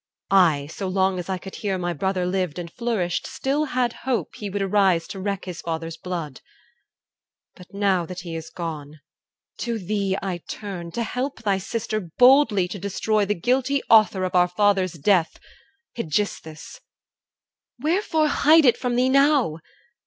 I, so long as I could hear My brother lived and flourished, still had hope He would arise to wreak his father's blood. But now that he is gone, to thee I turn, To help thy sister boldly to destroy The guilty author of our father's death, Aegisthus. Wherefore hide it from thee now?